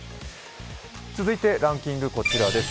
続いて、ランキング、こちらです。